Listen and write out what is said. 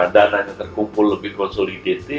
dana yang terkumpul lebih konsolidasi